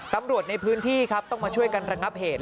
ตำรวจในพื้นที่ครับต้องมาช่วยกันระงับเหตุ